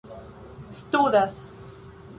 studas